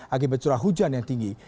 akibat curah hujan yang tinggi